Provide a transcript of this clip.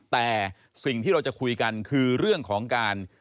แต่สิ่งที่เราจะคุยกันคือเรื่องของการ